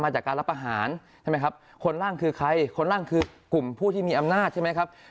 ใช่ไหมครับคนร่างคือใครคนร่างคือกลุ่มผู้ที่มีอำนาจใช่ไหมครับ